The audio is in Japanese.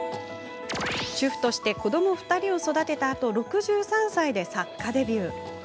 主婦として子ども２人を育てたあと６３歳で作家デビュー。